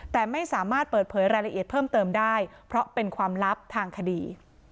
แต่ไม่สามารถเปิดเผยรายละเอียดเพิ่มเติมได้เพราะเป็นความลับทางคดี